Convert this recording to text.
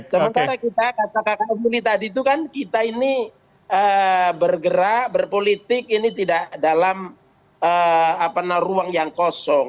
sementara kita kata kata budi tadi itu kan kita ini bergerak berpolitik ini tidak dalam ruang yang kosong